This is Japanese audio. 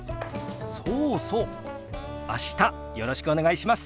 そうそう明日よろしくお願いします。